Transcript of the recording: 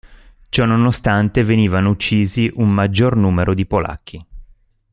Ciononostante venivano uccisi un maggior numero di polacchi.